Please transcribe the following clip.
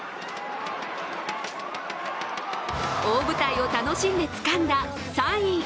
大舞台を楽しんでつかんだ３位。